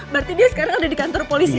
berarti dia sekarang ada di kantor polisi